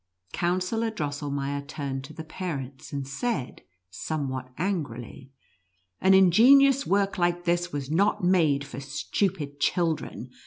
Counsellor Drossel meier turned to the parents, and said, somewhat angrily, " An ingenious work like this was not made for stupid children.